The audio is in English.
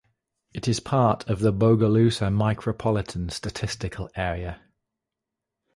It is part of the Bogalusa Micropolitan Statistical Area.